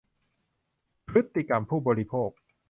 พฤติกรรมผู้บริโภค